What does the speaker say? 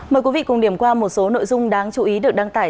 mời quý vị cùng điểm qua một số nội dung đáng chú ý được đăng tải